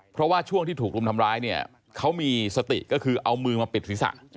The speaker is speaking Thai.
เพราะว่าช่วงที่ถูกรุมทำร้ายเนี่ยเขามีสติก็คือเอามือมาปิดศีรษะ